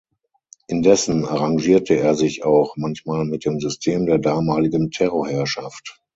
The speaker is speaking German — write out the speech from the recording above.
Indessen arrangierte er sich auch manchmal mit dem System der damaligen Terrorherrschaft.